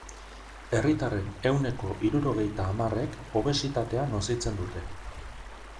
Herritarren ehuneko hirurogeita hamarrek obesitatea nozitzen dute.